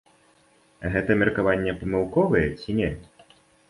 Гэта меркаванне памылковае ці не?